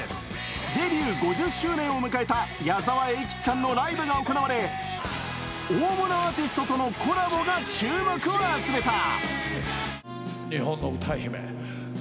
デビュー５０周年を迎えた矢沢永吉さんのライブが行われ大物アーティストとのコラボが注目を集めた。